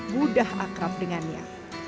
budah akrab dengannya